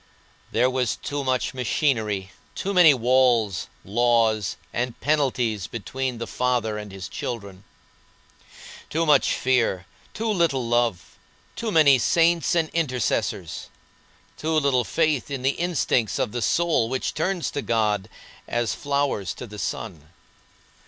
There was too much machinery, too many walls, laws, and penalties between the Father and His children. Too much fear, too little love; too many saints and intercessors; too little faith in the instincts of the soul which turns to God as flowers to the sun.